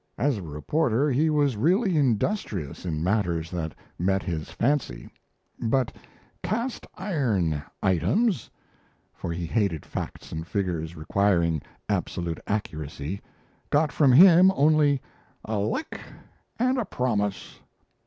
As a reporter, he was really industrious in matters that met his fancy; but "cast iron items" for he hated facts and figures requiring absolute accuracy got from him only "a lick and a promise."